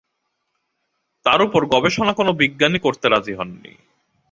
তার উপর গবেষণা কোনো বিজ্ঞানী করতে রাজি হন নি।